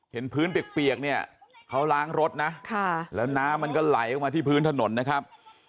เห็นพื้นเปียกเนี่ยเขาล้างรถนะแล้วน้ำมันก็ไหลออกมาที่พื้นถนนนะครับ